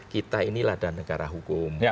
kita ini ladang negara hukum